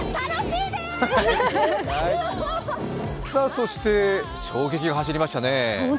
そして衝撃が走りましたね。